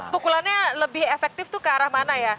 pukulannya lebih efektif tuh ke arah mana ya